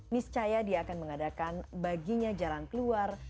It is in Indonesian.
miscaya dia akan mengadakan baginya jalan keluar